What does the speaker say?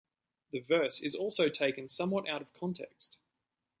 The verse is also taken somewhat out of context.